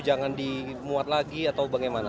jangan dimuat lagi atau bagaimana